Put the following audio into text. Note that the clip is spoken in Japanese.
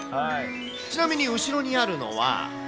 ちなみに、後ろにあるのは。